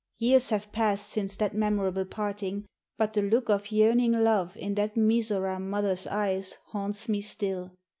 Years have passed since that memorable parting, but the look of yearning love in that Mizora mother's eyes haunts me still.